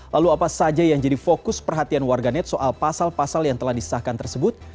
lalu apa saja yang jadi fokus perhatian warganet soal pasal pasal yang telah disahkan tersebut